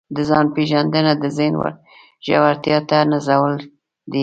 د ځان پېژندنه د ذهن ژورتیا ته نزول دی.